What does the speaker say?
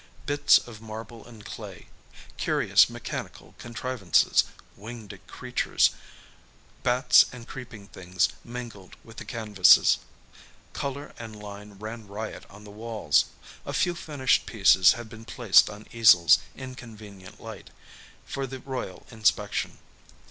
Bits of marble and clay, curious mechanical contrivances, winged creatures, bats and creeping things mingled with the canvases. Color and line ran riot on the walls. A few finished pieces had been placed on easels, in convenient light, for the royal inspection.